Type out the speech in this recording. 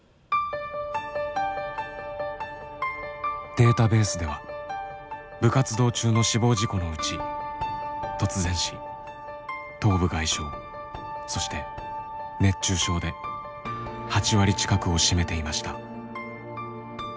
データベースでは部活動中の死亡事故のうち突然死頭部外傷そして熱中症で８割近くを占めていました。